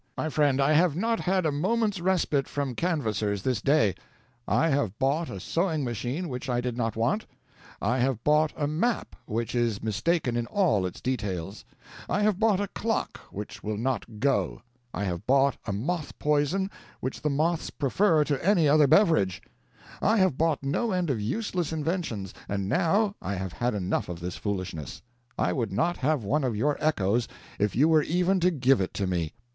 "My friend, I have not had a moment's respite from canvassers this day. I have bought a sewing machine which I did not want; I have bought a map which is mistaken in all its details; I have bought a clock which will not go; I have bought a moth poison which the moths prefer to any other beverage; I have bought no end of useless inventions, and now I have had enough of this foolishness. I would not have one of your echoes if you were even to give it to me.